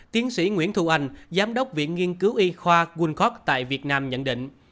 tiến sĩ nguyễn thu anh giám đốc viện nghiên cứu y khoa worldcock tại việt nam nhận định